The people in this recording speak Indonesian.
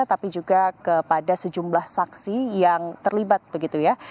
tapi juga kepada sejumlah saksi yang terlibat begitu ya